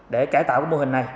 để cải tạo mô hình này